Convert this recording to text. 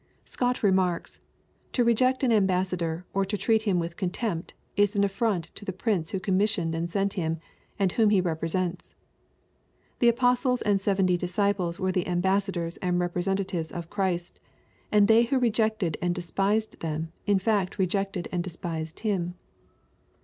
Scott remarks, " To reject an ambassador, or to treat him wi& contempt, is an affront to the prince who commis^ sioned and sent him, and whom he represents. The apostles and seventy disciples were the ambassadors and irepresentatives of Christ; and they who rejected and despised them, in fact rejected and despised Hun."